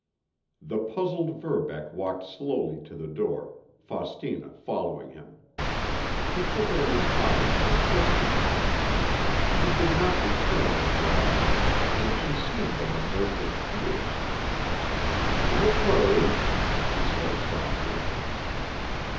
The puzzled Verbeck walked slowly to the door, Faustina following him. He took her in his arms and kissed her. She did not return the caress, and she seemed on the verge of tears. "Don't worry," he said softly.